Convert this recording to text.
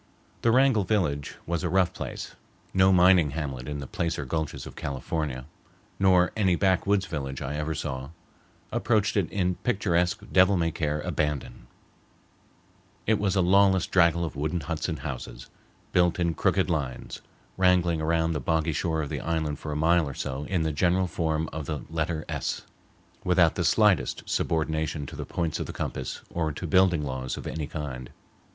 The Wrangell village was a rough place. No mining hamlet in the placer gulches of California, nor any backwoods village I ever saw, approached it in picturesque, devil may care abandon. It was a lawless draggle of wooden huts and houses, built in crooked lines, wrangling around the boggy shore of the island for a mile or so in the general form of the letter S, without the slightest subordination to the points of the compass or to building laws of any kind.